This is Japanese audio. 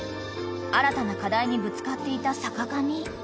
［新たな課題にぶつかっていた坂上］